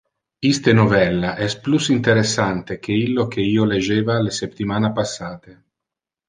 Iste novella es plus interessante que illo que io legeva le septimana passate.